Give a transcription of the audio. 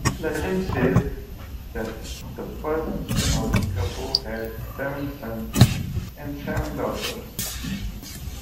Legend says that the first Thami couple had seven sons and seven daughters.